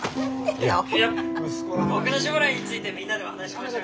いや僕の将来についてみんなでお話ししましょうよ。